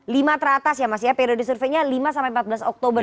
lima teratas ya mas ya periode surveinya lima sampai empat belas oktober